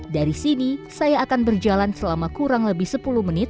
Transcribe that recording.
dari sini saya akan berjalan selama kurang lebih sepuluh menit